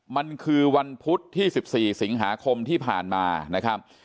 มันคือวันพุธที่๑๔สิงหาคมที่ผ่านมานะครับ